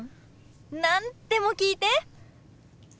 何でも聞いて。